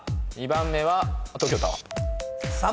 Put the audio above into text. ３番目は？